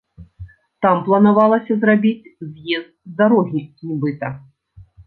Там планавалася зрабіць з'езд з дарогі нібыта.